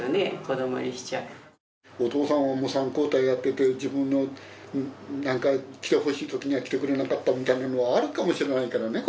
子どもにしちゃお父さんはもう三交代やってて自分の何か来てほしい時には来てくれなかったみたいなのはあるかもしれないからね